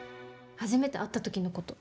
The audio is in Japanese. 初めて会った時のこと。